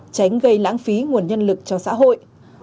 tránh gây lãng phí nguồn nhân lực cho xã hội